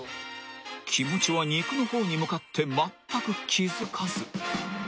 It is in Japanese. ［気持ちは肉の方に向かってまったく気付かず］